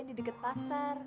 di deket pasar